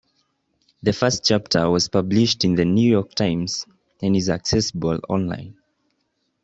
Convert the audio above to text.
The first chapter was published in the "New York Times" and is accessible online.